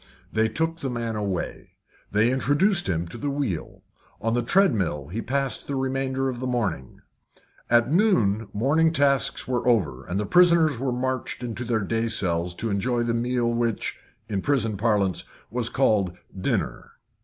They took the man away. They introduced him to the wheel. On the treadmill he passed the remainder of the morning. At noon morning tasks were over, and the prisoners were marched into their day cells to enjoy the meal which, in prison parlance, was called dinner.